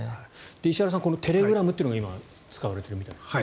石原さん、テレグラムというのが今、使われているみたいですね。